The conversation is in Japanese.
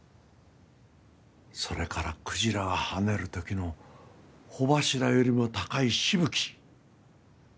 それからクジラが跳ねる時の帆柱よりも高いしぶき。